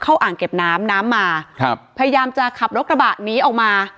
อ่างเก็บน้ำน้ำมาครับพยายามจะขับรถกระบะหนีออกมา